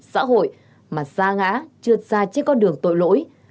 xã hội mà xa ngã trượt xa trên con đường tội lỗi